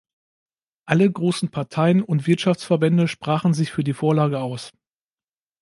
Alle grossen Parteien und Wirtschaftsverbände sprachen sich für die Vorlage aus.